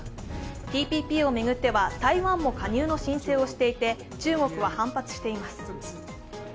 ＴＰＰを巡っては台湾も加入の申請をしていて、中国は反発しています。